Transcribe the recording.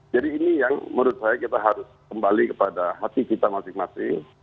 jadi ini yang menurut saya kita harus kembali kepada hati kita masing masing